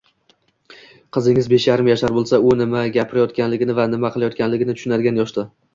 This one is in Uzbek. Qizingiz besh yarim yashar bo‘lsa, u nima gapirayotganini va nima qilayotganini tushunadigan yoshda.